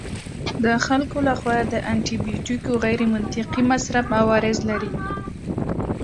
د خلکو لخوا د انټي بیوټیکو غیرمنطقي مصرف عوارض لري.